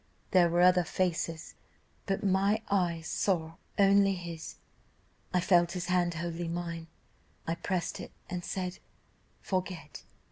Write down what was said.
There were other faces, but my eyes saw only his: I felt his hand holding mine, I pressed it, and said, 'Forget.